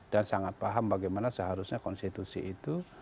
dan sangat paham bagaimana seharusnya konstitusi itu